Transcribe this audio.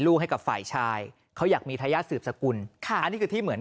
ลูกให้กับฝ่ายชายเขาอยากมีทะยะสืบสกุลค่ะนี่ก็ที่เหมือน